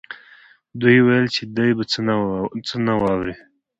دوی ویل چې دی به څه نه واوري